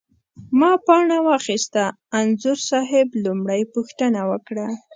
ما پاڼه واخسته، انځور صاحب لومړۍ پوښتنه وکړه.